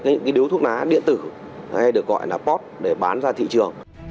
những điếu thuốc lá điện tử hay được gọi là pot để bán ra thị trường